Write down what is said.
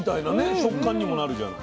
食感にもなるじゃない。